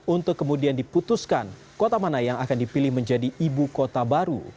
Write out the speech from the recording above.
untuk kemudian diputuskan kota mana yang akan dipilih menjadi ibu kota baru